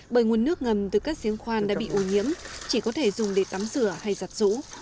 bởi nguồn nước ngầm từ các diễn khoan đã bị ô nhiễm chỉ có thể dùng để tắm rửa hay giặt rũ